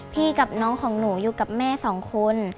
กับน้องของหนูอยู่กับแม่สองคน